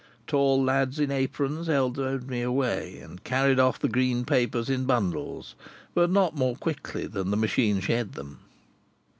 Tall lads in aprons elbowed me away and carried off the green papers in bundles, but not more quickly than the machine shed them.